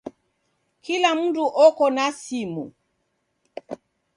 Kila mundu oko na simu